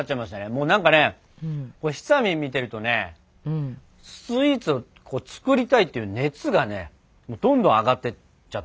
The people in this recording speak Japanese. もうなんかねひさみん見てるとねスイーツを作りたいっていう熱がねどんどん上がってっちゃったね。